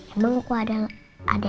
emang aku ada lagi ma